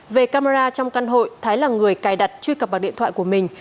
về camera trong căn hội thái là người cài đặt truy cập vào điện thoại của mình